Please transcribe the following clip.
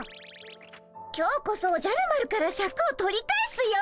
今日こそおじゃる丸からシャクを取り返すよ。